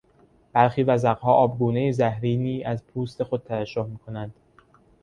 برخی وزغها آبگونهی زهرینی از پوست خود ترشح میکنند.